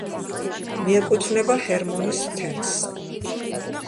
მიკეუთვნება ჰერმონის თემს.